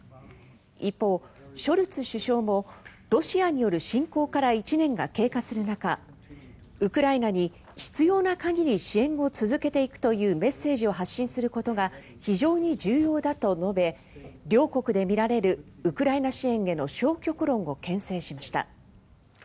一方、ショルツ首相もロシアによる侵攻から１年が経過する中ウクライナに必要な限り支援を続けていくというメッセージを発信することが非常に重要だと述べ両国で見られるウクライナ支援への消極論をけん制しました。